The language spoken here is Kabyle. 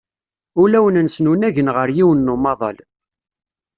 Ulawen-sen unagen ɣer yiwen n umaḍal.